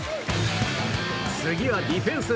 次はディフェンス。